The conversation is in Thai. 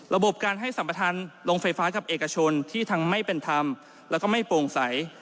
ระบบการให้สัมประธานโรงไฟฟ้ากับเอกชนที่ทั้งไม่เป็นธรรมแล้วก็ไม่โปร่งใส